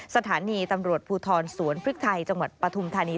สถานีตำรวจภูทรสวนพริกไทยจังหวัดปฐุมธานี